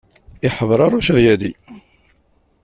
Iḥebraruc ad yali.